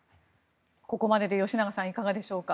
ここまでで吉永さんいかがでしょうか。